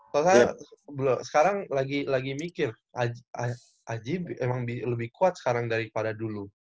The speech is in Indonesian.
kalau saya sekarang lagi mikir aji emang lebih kuat sekarang daripada dulu